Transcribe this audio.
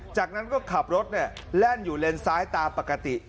จากนั้นก็ขับรถแล่นอยู่เลนซ้ายตามปกติ